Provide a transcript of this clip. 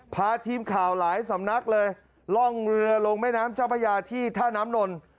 พาทีมข่าวหลายสำนักเลยล่องเรือลงแม่น้ำเจ้าพระยาที่ท่าน้ำนน